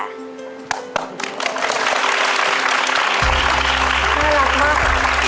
น่ารักมาก